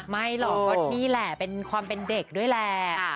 ไม่หรอกก็นี่แหละเป็นความเป็นเด็กด้วยแหละ